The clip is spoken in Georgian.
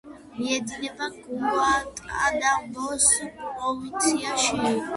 მიედინება გუანტანამოს პროვინციაში.